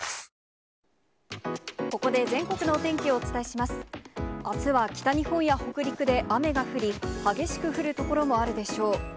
あすは北日本や北陸で雨が降り、激しく降る所もあるでしょう。